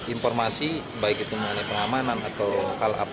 informasi baik itu mengenai pengamanan atau hal apa